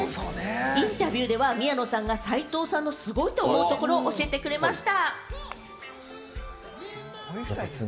インタビューでは、宮野さんが齊藤さんのすごいところを教えてくれました。